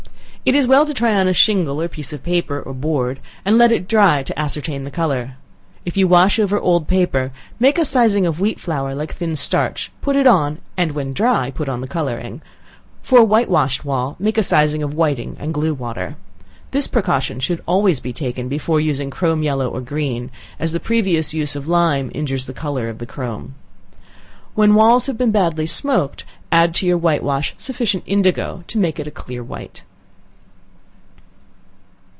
It is well to try on a shingle, or piece of paper, or board, and let it dry to ascertain the color. If you wash over old paper, make a sizing of wheat flour like thin starch, put it on, and when dry, put on the coloring, for a white washed wall, make a sizing of whiting and glue water. This precaution should always be taken before using chrome yellow or green, as the previous use of lime injures the color of the chrome. When walls have been badly smoked, add to your white wash sufficient indigo to make it a clear white.